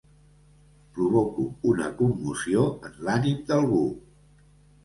Provoco una commoció en l'ànim d'algú.